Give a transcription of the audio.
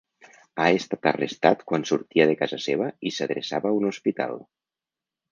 Ha estat arrestat quan sortia de casa seva i s’adreçava a un hospital.